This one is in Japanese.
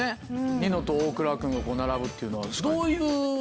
ニノと大倉君が並ぶっていうのは。